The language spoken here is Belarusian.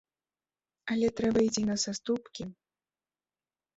Але трэба ісці на саступкі.